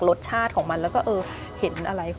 รสชาติของมันแล้วก็เออเห็นอะไร